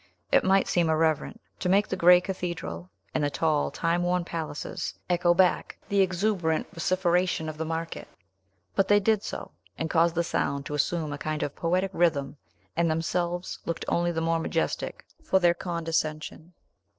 It might seem irreverent to make the gray cathedral and the tall, time worn palaces echo back the exuberant vociferation of the market; but they did so, and caused the sound to assume a kind of poetic rhythm, and themselves looked only the more majestic for their condescension.